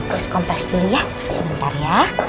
terus kompleks dulu ya sebentar ya